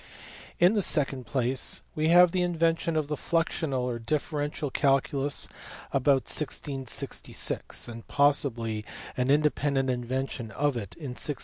In the second place, we have the invention of the fluxional or differential calculus about 1666 (and possibly an indepen dent invention of it in 1674).